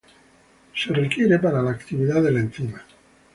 Es requerido para la actividad de la enzima.